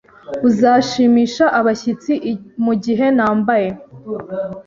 Uzashimisha abashyitsi mugihe nambaye